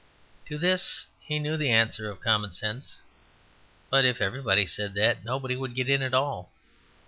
To this he knew the answer of common sense, "But if everybody said that, nobody would get in at all."